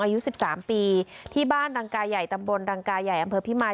อายุ๑๓ปีที่บ้านรังกายใหญ่ตำบลรังกายใหญ่อำเภอพิมาย